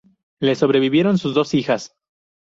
Le sobrevivieron sus dos hijas.